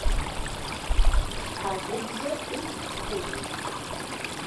Щхьэгъубжэр ӏусх хъуну?